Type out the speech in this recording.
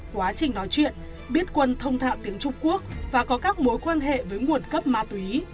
quá trình nói chuyện biết quân thông thạo tiếng trung quốc và có các mối quan hệ với nguồn cấp ma túy